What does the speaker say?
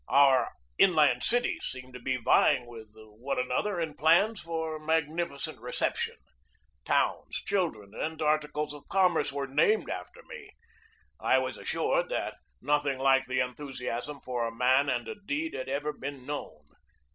Our inland cities seemed to be vying with one another in plans for magnificent receptions. Towns, children, and articles of commerce were named after me. I was assured that nothing like the enthusiasm for a man and a deed had ever been known.